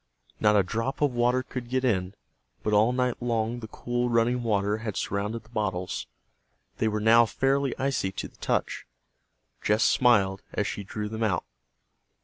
Not a drop of water could get in, but all night long the cool running water had surrounded the bottles. They were now fairly icy to the touch. Jess smiled as she drew them out.